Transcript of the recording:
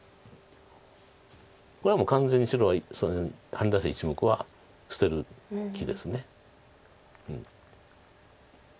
これはもう完全に白はハネ出した１目は捨てる気です。